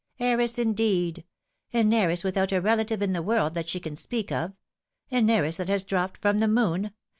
Heiress, indeed ! An heiress without a relative in the world that she can speak of an heiress that has dropped from the moon.